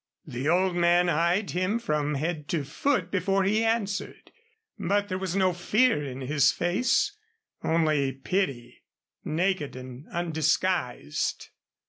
The old man eyed him from head to foot before he answered. But there was no fear in his face only pity naked and undisguised.